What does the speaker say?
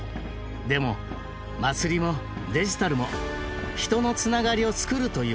でも祭りもデジタルも人のつながりを作るという点では同じ。